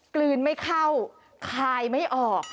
กลืนไม่เข้าคายไม่ออก